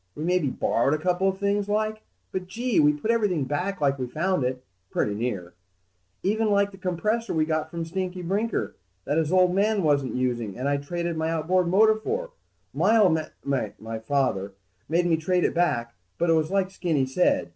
We maybe borrowed a couple of things, like. But, gee, we put everything back like we found it, pretty near. Even like the compressor we got from Stinky Brinker that his old man wasn't using and I traded my outboard motor for, my old m ... my father made me trade back. But it was like Skinny said